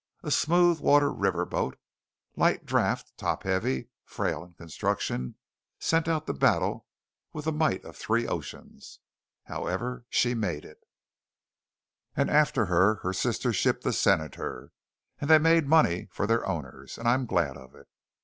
A smooth water river boat, light draught, top heavy, frail in construction, sent out to battle with the might of three oceans! However, she made it; and after her her sister ship, the Senator, and they made money for their owners, and I am glad of it.